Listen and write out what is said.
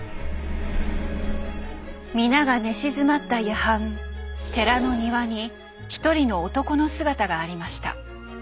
皆が寝静まった夜半寺の庭に一人の男の姿がありました。